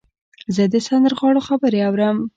زه د سندرغاړو خبرې اورم.